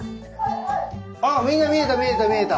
ああみんな見えた見えた見えた。